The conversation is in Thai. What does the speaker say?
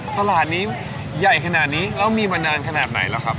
ตลาดนี้ใหญ่ขนาดนี้แล้วมีมานานขนาดไหนล่ะครับ